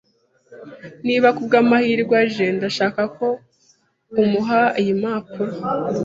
Niba kubwamahirwe aje, ndashaka ko umuha iyi mpapuro.